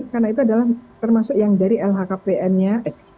karena itu adalah termasuk yang dari lhkpn nya